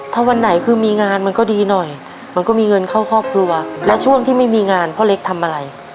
ถ้าวันไหนคือมีงานมันก็ดีหน่อยมันก็มีเงินเข้าครอบครัวแล้วช่วงที่ไม่มีงานพ่อเล็กทำอะไร